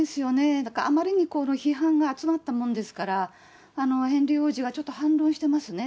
だからあまりに批判が集まったものですから、ヘンリー王子はちょっと反論してますね。